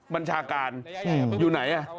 บัญชาการอยู่ไหน